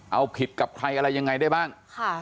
เอาผิดกับใครอะไรยังไงได้บ้าง